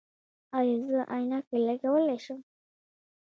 ایا زه عینکې لګولی شم؟